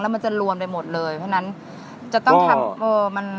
มันจะรวมไปหมดเลยเพราะฉะนั้นจะต้องทำเออมัน